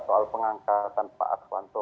soal pengangkatan pak aswanto